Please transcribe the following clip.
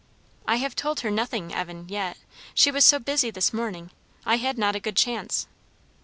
"I have told her nothing, Evan, yet. She was so busy this morning, I had not a good chance."